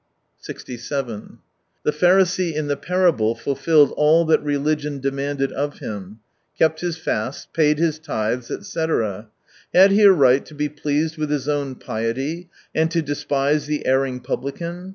78 ^7 The Pharisee in the parable fulfilled all that religion demanded of him : kept his fasts, paid his tithes, etc. Had he a right to be pleased with his own piety, and to despise the erring publican